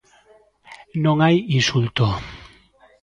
Non hai insulto.